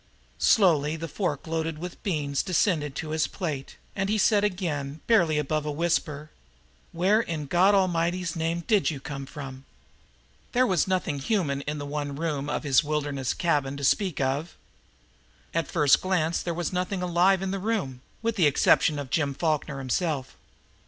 Slowly the fork loaded with beans descended to his plate, and he said again, barely above a whisper: "Where in God A'mighty's name DID you come from?" There was nothing human in the one room of his wilderness cabin to speak of. At the first glance there was nothing alive in the room, with the exception of Jim Falkner himself.